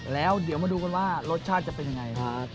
แล้วเดี๋ยวมาดูว่ารสชาติจะเป็นยังไง